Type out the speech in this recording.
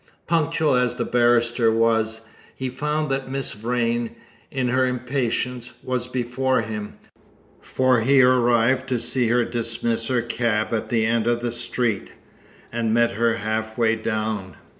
Punctual as the barrister was, he found that Miss Vrain, in her impatience, was before him; for he arrived to see her dismiss her cab at the end of the street, and met her half way down.